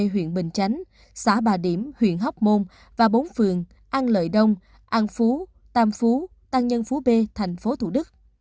huyện bình chánh xã bà điểm huyện hóc môn và bốn phường an lợi đông an phú tam phú tăng nhân phú b thành phố thủ đức